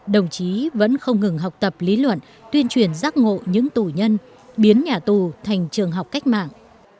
đồng chí vẫn không ngừng học tập lý luận tuyên truyền giác ngộ những tù nhân biến nhà tù thành trường học cách mạng